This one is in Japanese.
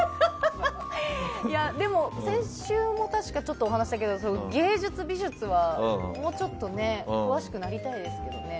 でも、先週も確かちょっとお話した気がするけど芸術・美術はもうちょっと詳しくなりたいですね。